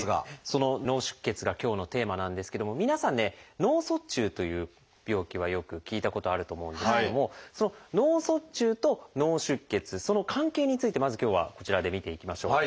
その「脳出血」が今日のテーマなんですけども皆さんね「脳卒中」という病気はよく聞いたことあると思うんですけどもその「脳卒中」と「脳出血」その関係についてまず今日はこちらで見ていきましょう。